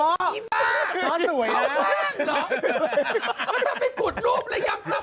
มันทำเป็นขุดรูปเลยยังประปอยพวกนี้มาจากไหน